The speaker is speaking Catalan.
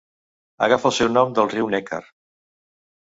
Agafa el seu nom del riu Neckar.